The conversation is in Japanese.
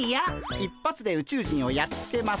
１発で宇宙人をやっつけます。